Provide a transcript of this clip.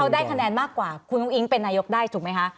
อันนี้ถ้าเขาได้คะแนนมากกว่าคุณลุงอิงเป็นนายกได้ถูกไหมคะ